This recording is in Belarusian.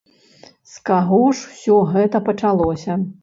З каго ж усё гэта пачалося?